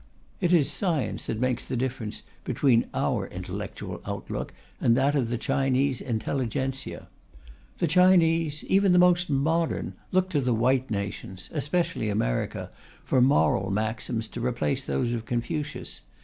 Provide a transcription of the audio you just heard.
It is science that makes the difference between our intellectual outlook and that of the Chinese intelligentsia. The Chinese, even the most modern, look to the white nations, especially America, for moral maxims to replace those of Confucius.